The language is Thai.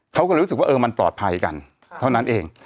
เขาก็เลยรู้สึกว่าเออมันปลอดภัยกันเท่านั้นเอง